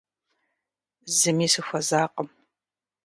Зыми сыхуэзакъым.